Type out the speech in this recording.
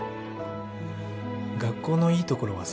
学校のいいところはさ